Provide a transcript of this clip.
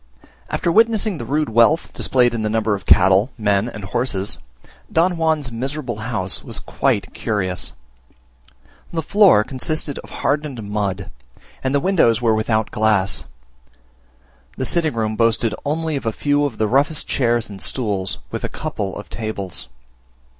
After witnessing the rude wealth displayed in the number of cattle, men, and horses, Don Juan's miserable house was quite curious. The floor consisted of hardened mud, and the windows were without glass; the sitting room boasted only of a few of the roughest chairs and stools, with a couple of tables.